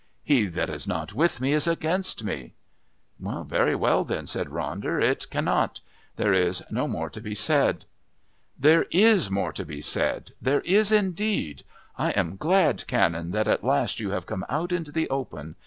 'He that is not with me is against me' " "Very well, then," said Ronder. "It can not. There is no more to be said." "There is more to be said. There is indeed. I am glad, Canon, that at last you have come out into the open.